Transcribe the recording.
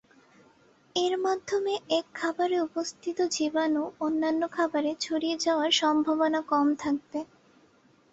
এর মাধ্যমে এক খাবারে উপস্থিত জীবাণু অন্যান্য খাবারে ছড়িয়ে যাওয়ার সম্ভাবনা কম থাকবে।